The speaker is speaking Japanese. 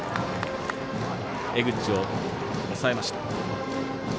江口を抑えました。